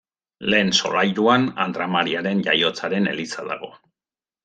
Lehen solairuan Andra Mariaren Jaiotzaren eliza dago.